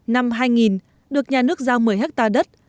năm hai nghìn được nhà nước giao một mươi hectare đất